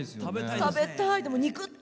食べたい。